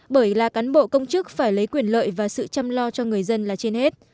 bởi là cán bộ công chức phải lấy quyền lợi và sự chăm lo cho người dân là trên hết